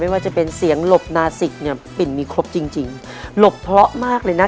ว่าจะเป็นเสียงหลบนาสิกเนี่ยปิ่นมีครบจริงจริงหลบเพราะมากเลยนะ